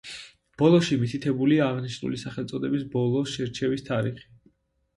ბოლოში მითითებულია აღნიშნული სახელწოდების ბოლო შერჩევის თარიღი.